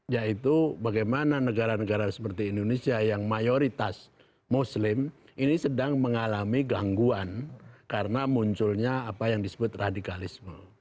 yaitu bagaimana negara negara seperti indonesia yang mayoritas muslim ini sedang mengalami gangguan karena munculnya apa yang disebut radikalisme